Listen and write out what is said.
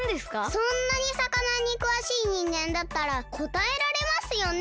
そんなにさかなにくわしいにんげんだったらこたえられますよね？